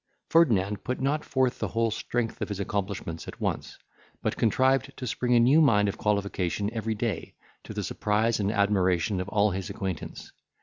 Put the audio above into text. Ferdinand put not forth the whole strength of his accomplishments at once, but contrived to spring a new mine of qualification every day, to the surprise and admiration of all his acquaintance.